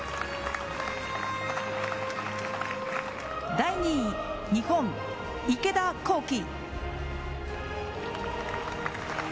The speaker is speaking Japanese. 第２位、日本、池田向希。